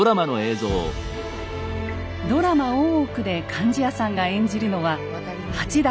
ドラマ「大奥」で貫地谷さんが演じるのは８代